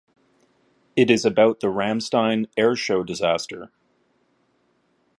It is about the Ramstein air show disaster.